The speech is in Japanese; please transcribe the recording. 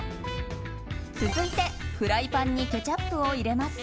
続いて、フライパンにケチャップを入れます。